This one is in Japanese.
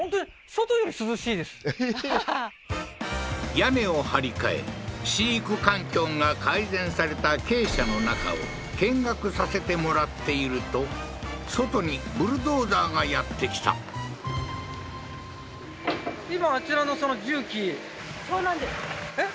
屋根を張り替え飼育環境が改善された鶏舎の中を見学させてもらっていると外にブルドーザーがやって来た今あちらの重機長男ですえっ